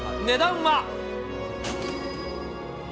値段は。